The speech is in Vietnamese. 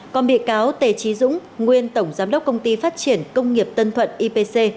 còn bị cáo tề trí dũng nguyên tổng giám đốc công ty phát triển công nghiệp tân thuận ipc